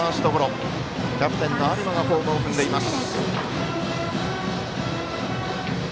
キャプテンの有馬がホームを踏んでいます。